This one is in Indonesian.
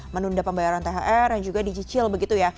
menunda pembayaran thr dan juga dicicil begitu ya